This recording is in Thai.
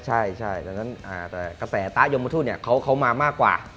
ใช่ใช่จากนั้นกระแสต้ายมทุ่นเขามามากกว่า